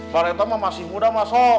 parethoma masih muda mbak